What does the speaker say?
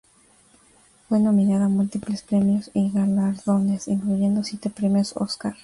Fue nominada a múltiples premios y galardones, incluyendo siete Premios Óscar.